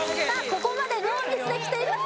ここまでノーミスできています